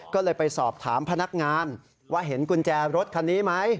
ก็เลยไปสอบถามพนักงานว่าเห็นกุญแจรถคันนี้ไหม